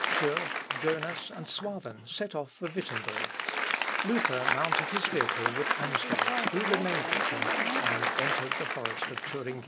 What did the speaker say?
Schurff, Jonas, and Suaven, set off for Wittemberg; Luther mounted his vehicle with Amsdorff who remained with him, and entered the forest of Thuringia.